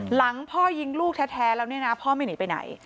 หลังพ่อยิงลูกแท้แล้วเนี่ยนะพ่อไม่หนีไปไหน